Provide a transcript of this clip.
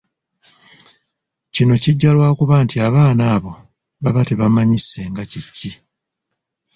Kino kijja lwakuba nti abaana abo baba tebamanyi ssenga kye ki.